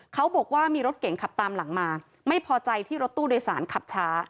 เขาบอกว่ามีรถเก่งขับตามหลังมาไม่พอใจที่รถตู้โดยสารขับช้า